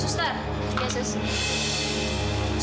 sustan ya sus